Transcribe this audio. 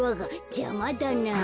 じゃまだなあ。